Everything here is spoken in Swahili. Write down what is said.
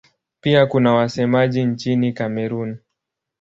Pia kuna wasemaji nchini Kamerun.